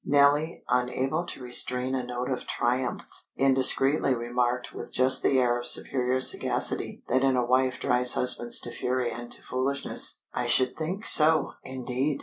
Nellie, unable to restrain a note of triumph, indiscreetly remarked with just the air of superior sagacity that in a wife drives husbands to fury and to foolishness: "I should think so, indeed!"